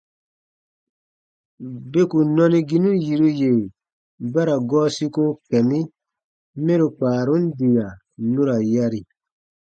Beku nɔniginu yiru yè ba ra gɔɔ siko kɛ̃ mi mɛro kpaarun diya nu ra yari.